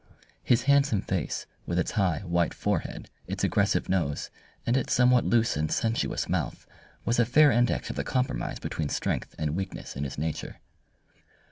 His handsome face, with its high, white forehead, its aggressive nose, and its somewhat loose and sensuous mouth, was a fair index of the compromise between strength and weakness in his nature.